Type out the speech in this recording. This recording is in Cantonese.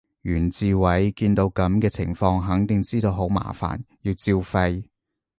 袁志偉見到噉嘅情況肯定知道好麻煩，要照肺